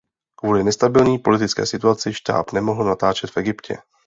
Kvůli nestabilní politické situaci štáb nemohl natáčet v Egyptě.